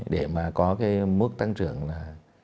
để mà có cái mức tăng trưởng là sáu tám